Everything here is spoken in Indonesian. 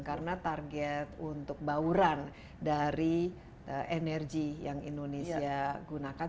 karena target untuk bauran dari energi yang indonesia gunakan